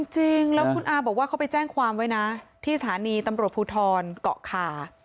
จริงแล้วคุณอาบอกว่าเขาไปแจ้งความไว้นะที่สถานีตำรวจภูทรเกาะคา